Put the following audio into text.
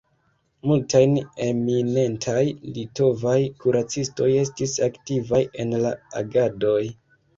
Multaj eminentaj litovaj kuracistoj estis aktivaj en la agadoj.